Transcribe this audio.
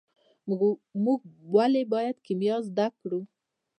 موږ ولې باید کیمیا زده کړو.